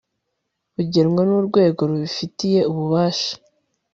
bugenwa n urwego rubifitiye ububasha